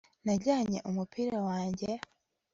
najyanye umupira wanjye